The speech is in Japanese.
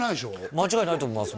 間違いないと思います